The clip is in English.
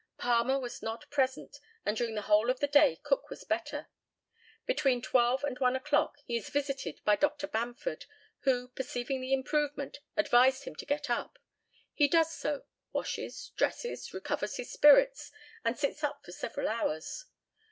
Palmer was not present, and during the whole of the day Cook was better. Between 12 and 1 o'clock he is visited by Dr. Bamford, who, perceiving the improvement, advised him to get up. He does so, washes, dresses, recovers his spirits, and sits up for several hours.